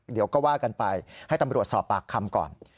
เดี๋ยวก็ว่ากันไปให้ตำรวจสอบปากคำก่อน